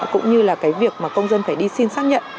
cũng như là việc công dân phải đi xin xác nhận